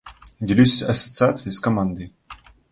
Делюсь ассоциацией с командой.